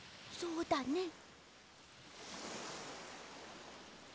そうだね。